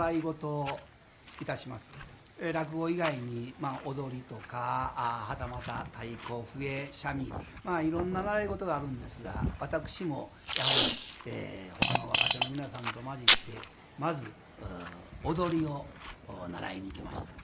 落語以外に踊りとかはたまた太鼓笛三味まあいろんな習い事があるんですが私もやはりほかの若手の皆さんと交じってまず踊りを習いに行きました。